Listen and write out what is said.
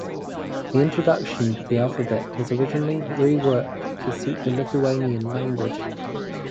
The introduction to the alphabet was originally reworked to suit the Lithuanian language.